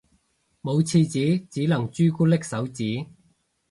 冇廁紙只能朱古力手指